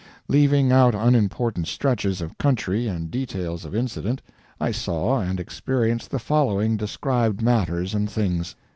Leaving out unimportant stretches of country and details of incident, I saw and experienced the following described matters and things.